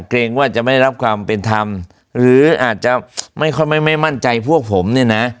เกรงว่าจะไม่รับความเป็นธรรมหรืออาจจะไม่ค่อยไม่มั่นใจพวกผมเนี่ยนะ